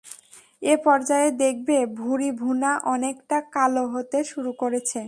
এ পর্যায়ে দেখবে ভুড়ি ভুনা অনেকটা কালো হতে শুরু করেছে।